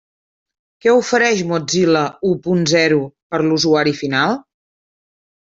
Què ofereix Mozilla u punt zero per a l'usuari final?